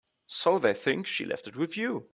So they think she left it with you.